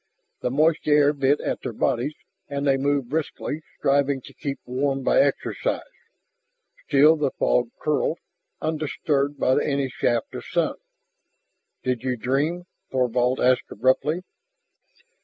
The moist air bit at their bodies and they moved briskly, striving to keep warm by exercise. Still the fog curled, undisturbed by any shaft of sun. "Did you dream?" Thorvald asked abruptly.